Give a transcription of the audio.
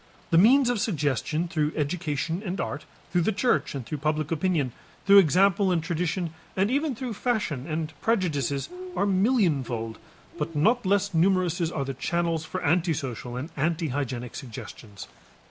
The means of suggestion through education and art, through the church and through public opinion, through example and tradition, and even through fashion and prejudices, are millionfold, but not less numerous are the channels for antisocial and antihygienic suggestions.